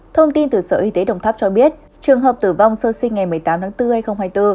thông tin từ sở y tế đồng tháp cho biết trường hợp tử vong sơ sinh ngày một mươi tám tháng bốn hai nghìn hai mươi bốn